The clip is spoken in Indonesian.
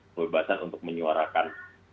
kebebasan untuk menyuarakan